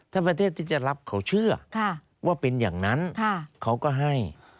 ถ้าประเทศที่จะรับเขาเชื่อว่าเป็นอย่างนั้นเขาก็ให้